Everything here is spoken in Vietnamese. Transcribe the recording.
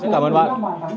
cảm ơn bạn